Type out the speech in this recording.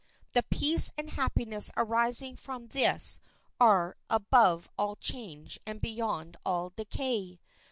The peace and happiness arising from this are above all change and beyond all decay.